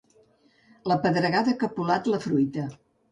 La pedregada ha capolat la fruita.